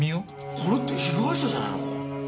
これって被害者じゃないのか？